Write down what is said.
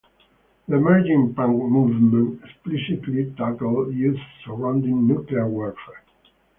The emerging punk movement explicitly tackled issues surrounding nuclear warfare.